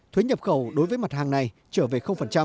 thuế nhập khẩu đối với mặt hàng này trở về